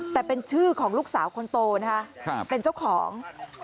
แต่เป็นชื่อของลูกสาวคนโตนะคะเป็นเจ้าของ